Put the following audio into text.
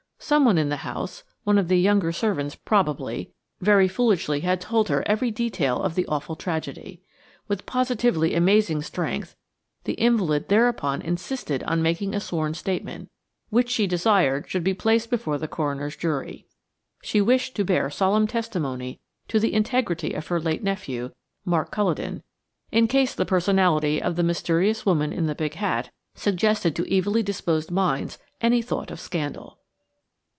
Someone in the house–one of the younger servants, probably–very foolishly had told her every detail of the awful tragedy. With positively amazing strength, the invalid thereupon insisted on making a sworn statement, which she desired should be placed before the coroner's jury. She wished to bear solemn testimony to the integrity of her late nephew, Mark Culledon, in case the personality of the mysterious woman in the big hat suggested to evilly disposed minds any thought of scandal.